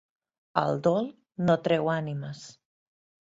El dol no treu ànimes.